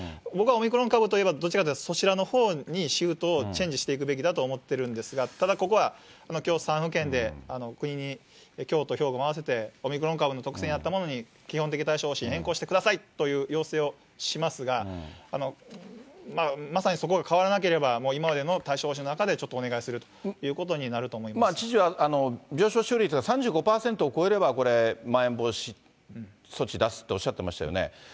僕は、オミクロン株といえば、どちらかというとそちらのほうにシフトをチェンジしていくべきだと思ってるんですが、ただ、ここはきょう３府県で、国に京都、兵庫も合わせてオミクロン株の特性に合ったものに、基本的対処方針変更してくださいという要請をしますが、まさにそこが変わらなければ、今までの対処方針の中でちょっとお願いするということになると思知事は病床使用率が３５％を超えれば、これ、まん延防止措置出すっておっしゃってましたよね。